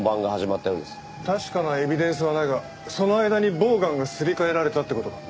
確かなエビデンスはないがその間にボウガンがすり替えられたって事か。